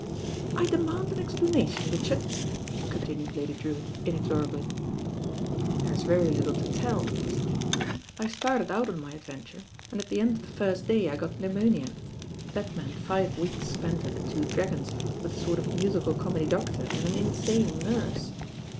"I demand an explanation, Richard," continued Lady Drewitt inexorably. "There's very little to teU," said he. "I started out on my adventure, and at the end of the first day I got pneumonia. That meant five weeks spent at 'The Two Dragons,' with a sort of musicaUomedy doctor and an insane nurse.